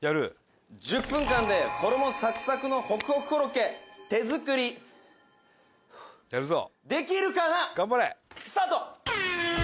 「１０分間で衣サクサクのホクホクコロッケ手作りフウできるかな？」「スタート！」